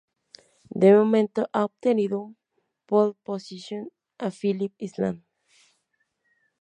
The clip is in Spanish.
De momento, ha obtenido una pole position a Phillip Island.